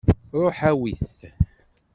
Ruḥ awi-t.